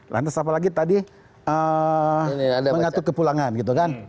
lantas apalagi tadi mengatur kepulangan gitu kan